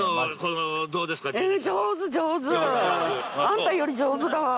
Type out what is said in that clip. あんたより上手だわ。